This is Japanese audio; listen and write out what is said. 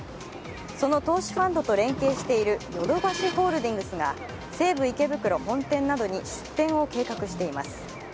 その投資ファンドと連携しているヨドバシホールディングスが西武池袋本店などに出店を計画しています。